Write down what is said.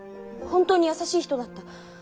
本当に優しい人だった。